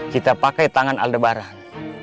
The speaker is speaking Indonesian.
kita pakai tangan aldebaran